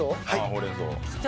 ほうれん草。